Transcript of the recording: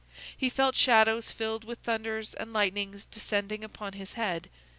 He felt shadows filled with thunders and lightnings descending upon his head.